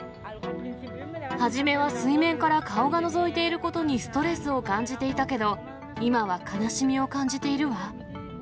初めは水面から顔がのぞいていることにストレスを感じていたけど、今は悲しみを感じているわ。